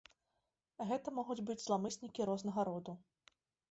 Гэта могуць быць зламыснікі рознага роду.